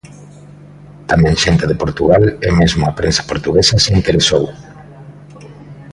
Tamén xente de Portugal e mesmo a prensa portuguesa se interesou.